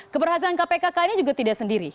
keberhasilan kpk kali ini juga tidak sendiri